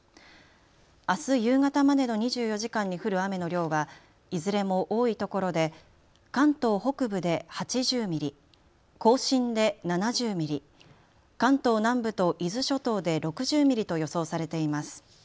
あす夕方までの２４時間に降る雨の量はいずれも多いところで関東北部で８０ミリ、甲信で７０ミリ、関東南部と伊豆諸島で６０ミリと予想されています。